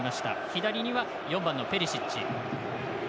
左には４番、ペリシッチ。